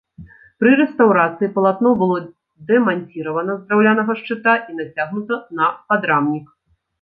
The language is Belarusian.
Пры рэстаўрацыі палатно было дэманціравана з драўлянага шчыта і нацягнута на падрамнік.